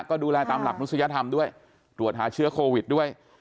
ก็ดูแลตามหลักมนุษยธรรมด้วยตรวจหาเชื้อโควิดด้วย